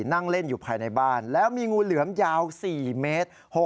นั่งเล่นอยู่ภายในบ้านแล้วมีงูเหลือมยาว๔เมตร